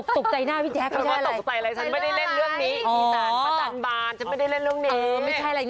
ตกใจหน้าพี่แจ็คหรอ